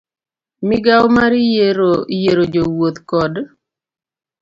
Migawo mar Yiero Jowuoth kod